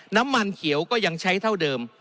น้ำมันเขียวก็ยังใช้เท่าเดิม